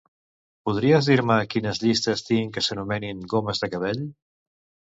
Podries dir-me quines llistes tinc que s'anomenin "gomes de cabell"?